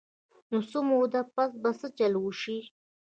نو څۀ موده پس به څۀ چل اوشي -